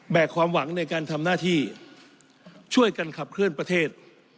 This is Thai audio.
ความหวังในการทำหน้าที่ช่วยกันขับเคลื่อนประเทศ